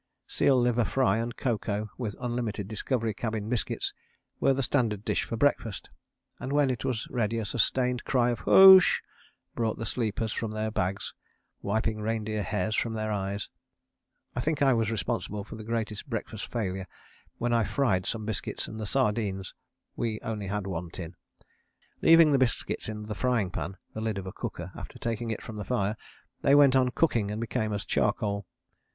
Seal liver fry and cocoa with unlimited Discovery Cabin biscuits were the standard dish for breakfast, and when it was ready a sustained cry of 'hoosh' brought the sleepers from their bags, wiping reindeer hairs from their eyes. I think I was responsible for the greatest breakfast failure when I fried some biscuits and sardines (we only had one tin). Leaving the biscuits in the frying pan, the lid of a cooker, after taking it from the fire, they went on cooking and became as charcoal.